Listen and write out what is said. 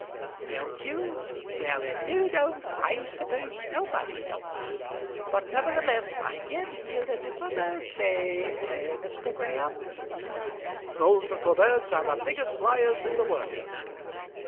"Don't you? Well, if you don't I suppose nobody don't. But nevertheless I did hear a little bird say eh! Mr. Graham." "Those little birds are the biggest liars in the world."